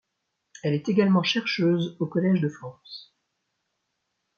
Elle est également chercheuse au Collège de France.